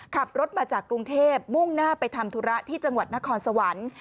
ขับรถมาจากกรุงเทพมุ่งหน้าไปทำธุระที่จังหวัดนครสวรรค์